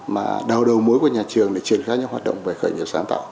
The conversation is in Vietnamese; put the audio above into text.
mà đầu đầu mối của nhà trường để truyền ra những hoạt động về khởi nghiệp sáng tạo